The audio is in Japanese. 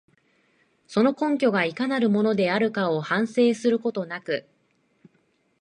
その根拠がいかなるものであるかを反省することなく、